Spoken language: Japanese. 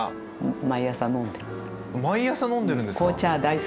毎朝飲んでるんですか？